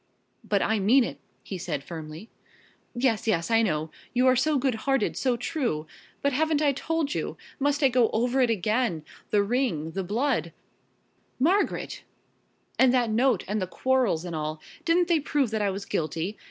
"But I mean it," he said firmly. "Yes, yes, I know you are so good hearted, so true! But haven't I told you? Must I go over it again? The ring, the blood " "Margaret!" "And that note, and the quarrels, and all. Didn't they prove that I was guilty?